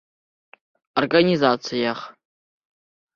«, организациях»;